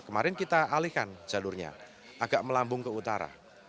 kemarin kita alihkan jalurnya agak melambung ke utara